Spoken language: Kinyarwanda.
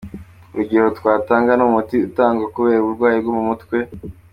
Urugero twatanga ni umuti utangwa kubera uburwayi bwo mu mutwe.